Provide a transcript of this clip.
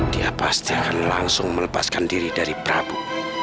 dia pasti akan langsung melepaskan diri dari prabu